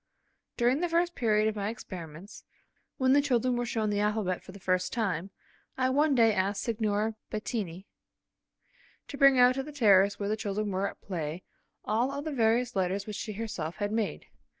During the first period of my experiments, when the children were shown the alphabet for the first time, I one day asked Signorina Bettini to bring out to the terrace where the children were at play, all of the various letters which she herself had made.